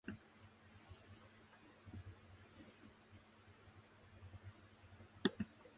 こういうふうにして、大きな奴を打ち出すと、一度に軍隊を全滅さすことも、鉄壁を破ったり、船を沈めてしまうこともできます。